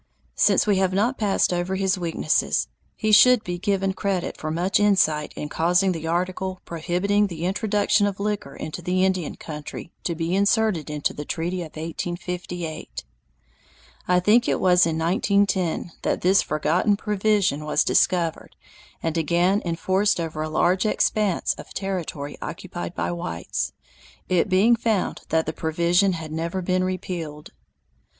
Since we have not passed over his weaknesses, he should be given credit for much insight in causing the article prohibiting the introduction of liquor into the Indian country to be inserted into the treaty of 1858. I think it was in 1910 that this forgotten provision was discovered and again enforced over a large expanse of territory occupied by whites, it being found that the provision had never been repealed.